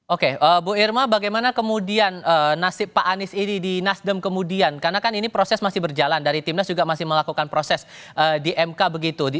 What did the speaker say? oke bu irma bagaimana kemudian nasib pak anies ini di nasdem kemudian karena kan ini proses masih berjalan dari timnas juga masih melakukan proses di mk begitu